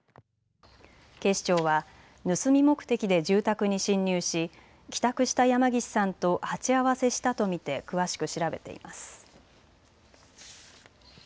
警視庁は盗み目的で住宅に侵入し帰宅した山岸さんと鉢合わせしたと見て詳しく調べています。